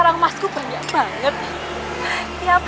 terima kasih ya allah